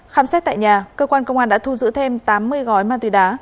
khám xét tại nhà cơ quan công an đã thu giữ thêm tám mươi gói ma túy đá